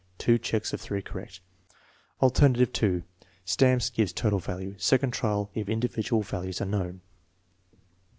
8 checks of 3 correct.) Al. 2. Stamps, gives total value. (Second trial if individual val ues are known.)